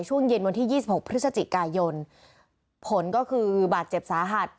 ช่วงเย็นวันที่๒๖พฤศจิกายนผลก็คือบาดเจ็บสาหัส